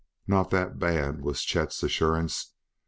"Not that bad," was Chet's assurance.